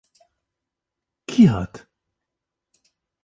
Kî hat?